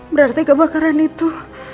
berarti kebakaran itu